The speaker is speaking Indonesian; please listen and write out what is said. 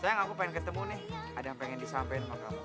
sayang aku pengen ketemu nih ada yang pengen disampaikan sama kamu